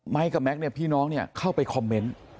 ไมค์กับแม็กซ์นี่พี่น้องเข้าไปคอมเมนต์